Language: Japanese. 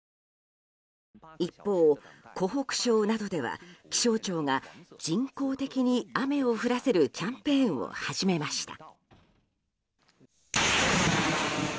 一方、湖北省などでは気象庁が人工的に雨を降らせるキャンペーンを始めました。